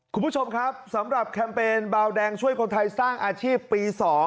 คุณผู้ชมครับสำหรับแคมเปญบาวแดงช่วยคนไทยสร้างอาชีพปี๒